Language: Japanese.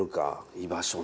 居場所な。